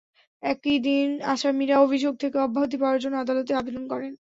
একই দিনে আসামিরা অভিযোগ থেকে অব্যাহতি পাওয়ার জন্য আদালতে আবেদন করেন।